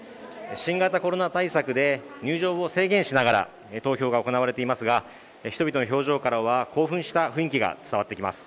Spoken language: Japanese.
新型コロナ対策で入場を制限しながら投票が行われていますが人々の表情からは興奮した雰囲気が伝わってきます